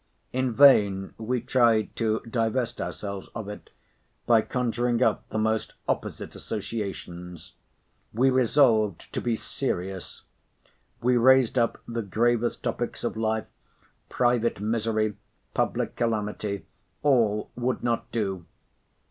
In vain we tried to divest ourselves of it by conjuring up the most opposite associations. We resolved to be serious. We raised up the gravest topics of life; private misery, public calamity. All would not do.